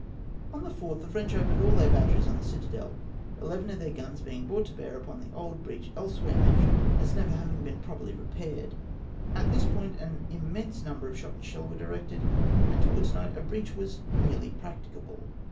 On the 4th, the French opened all their batteries on the citadel, eleven of their guns being brought to bear upon the old breach elsewhere mentioned as never having been properly repaired. At this point an im mense number of shot and shell were dii ected, and towards night a breach was nearly practicable.